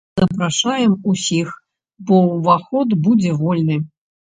Запрашаем усіх, бо ўваход будзе вольны.